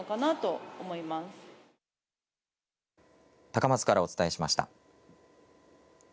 高松からお伝えしました。